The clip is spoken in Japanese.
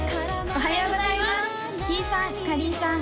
おはようございますキイさん